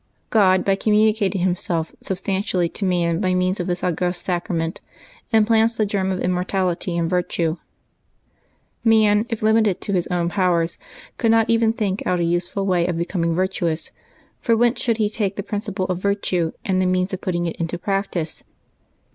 God, by communicating Himself sub stantially to man by means of this august sacrament, implants the germ of immortality and virtue. Man, if limited to his own powers, could not even think out a iiseful way of becoming virtuous, for whence should he take the principle of virtue and the means of putting it in practice?